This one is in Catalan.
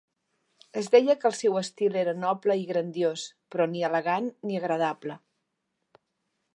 Es deia que el seu estil era noble i grandiós, però ni elegant ni agradable.